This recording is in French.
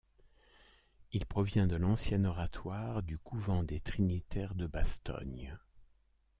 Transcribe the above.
Il provient de l’ancien oratoire du couvent des Trinitaires de Bastogne.